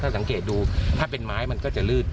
สังเกตดูถ้าเป็นไม้มันก็จะลืด